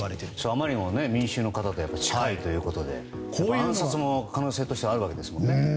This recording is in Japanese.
あまりにも民衆の方と近いということで暗殺も可能性としてあるわけですよね。